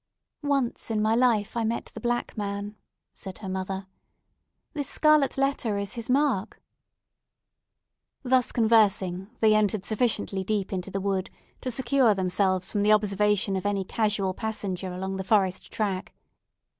"Once in my life I met the Black Man!" said her mother. "This scarlet letter is his mark!" Thus conversing, they entered sufficiently deep into the wood to secure themselves from the observation of any casual passenger along the forest track.